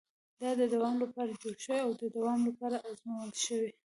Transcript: دا د دوام لپاره جوړ شوی او د دوام لپاره ازمول شوی.